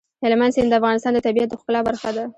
هلمند سیند د افغانستان د طبیعت د ښکلا برخه ده.